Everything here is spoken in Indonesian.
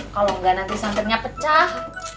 kalau enggak nanti santannya pecah